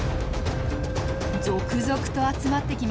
続々と集まってきます。